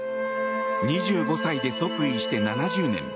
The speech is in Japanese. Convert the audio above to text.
２５歳で即位して、７０年。